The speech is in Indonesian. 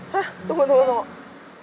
hah tunggu tunggu tunggu